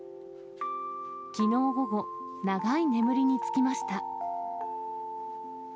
きのう午後、永い眠りにつきました。